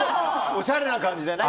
おしゃれな感じでね。